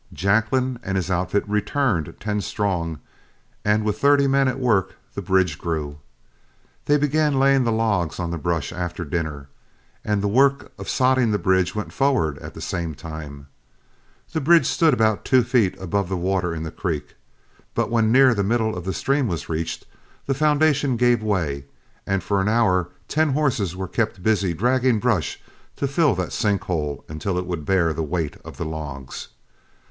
Jacklin and his outfit returned, ten strong, and with thirty men at work, the bridge grew. They began laying the logs on the brush after dinner, and the work of sodding the bridge went forward at the same time. The bridge stood about two feet above the water in the creek, but when near the middle of the stream was reached, the foundation gave way, and for an hour ten horses were kept busy dragging brush to fill that sink hole until it would bear the weight of the logs.